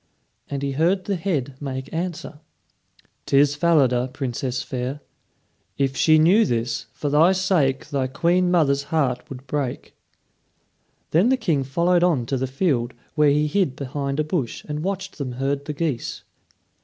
and he heard the head make answer: "'Tis Falada, Princess fair. If she knew this, for thy sake Thy queen mother's heart would break." Then the King followed on to the field, where he hid behind a bush and watched them herd the geese.